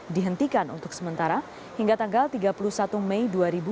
dihentikan untuk sementara hingga tanggal tiga puluh satu mei dua ribu dua puluh